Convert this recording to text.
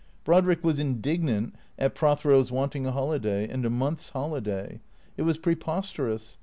Brodrick was indignant at Prothero's wanting a holiday, and a month's holiday. It was preposterous.